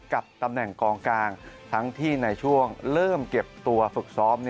กับตำแหน่งกองกลางทั้งที่ในช่วงเริ่มเก็บตัวฝึกซ้อม